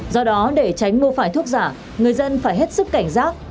do đó để tránh mua phải thuốc giả người dân phải hết sức cảnh giác